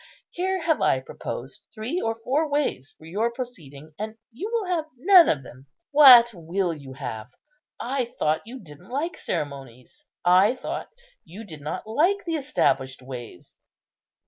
Here have I proposed three or four ways for your proceeding: you will have none of them. What will you have? I thought you didn't like ceremonies; I thought you did not like the established ways.